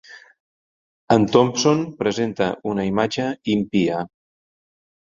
En Thompson presenta una imatge impia.